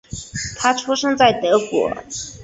他出生在德国。